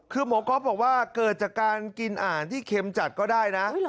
คือหมอก๊อฟบอกว่าเกิดจากการกินอาหารที่เค็มจัดก็ได้นะ